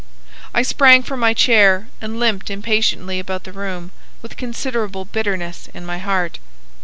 I sprang from my chair and limped impatiently about the room with considerable bitterness in my heart.